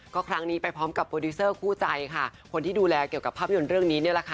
ก็ครั้งนี้ไปพร้อมกับโปรดิวเซอร์คู่ใจค่ะคนที่ดูแลเกี่ยวกับภาพยนตร์เรื่องนี้นี่แหละค่ะ